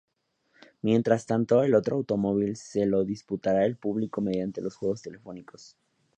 Mientras tanto, el otro automóvil se lo disputará el público mediante los juegos telefónicos.